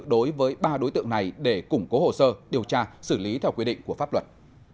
đối với ba đối tượng này để củng cố hồ sơ điều tra xử lý theo quy định của pháp luật